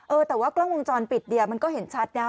เออแต่ว่ากล้องวงจรปิดเนี่ยมันก็เห็นชัดนะฮะ